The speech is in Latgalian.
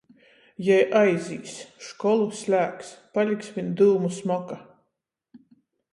Jei aizīs. Školu slēgs. Paliks viņ dyumu smoka.